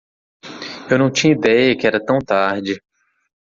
Eu não tinha ideia que era tão tarde.